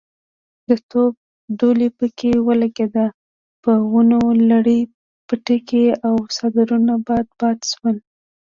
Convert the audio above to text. د توپ ډولۍ پکې ولګېده، په ونيو لړلي پټکي او څادرونه باد باد شول.